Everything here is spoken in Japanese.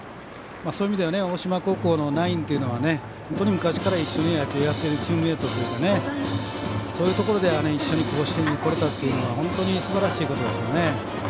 そういう意味では大島高校のナインというのは本当に昔から一緒に野球をやっているチームメートでそういうところでは一緒に甲子園に来れたというのは本当にすばらしいことですよね。